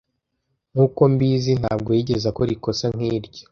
Nkuko mbizi, ntabwo yigeze akora ikosa nkiryo.